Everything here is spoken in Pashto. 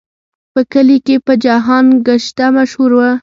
په کلي کې په جهان ګشته مشهور و.